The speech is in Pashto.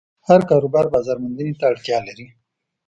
هر کاروبار بازارموندنې ته اړتیا لري.